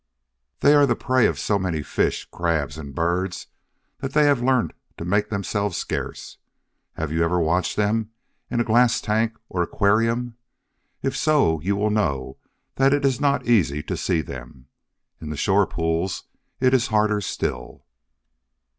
They are the prey of so many fish, crabs, and birds, that they have learnt to "make themselves scarce." Have you ever watched them in a glass tank, or aquarium? If so, you will know that it is not easy to see them. In the shore pools it is harder still.